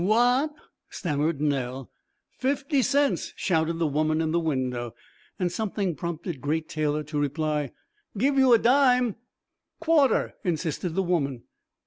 "What?" stammered Nell. "Fifty cents," shouted the woman in the window. And something prompted Great Taylor to reply, "Give you a dime." "Quarter," insisted the woman.